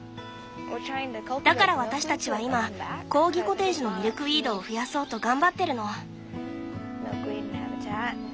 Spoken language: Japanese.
だから私たちは今コーギコテージのミルクウィードを増やそうと頑張ってるの。